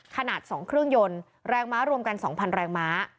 ขนาด๒เครื่องยนต์แรงม้ารวมกัน๒๐๐แรงม้า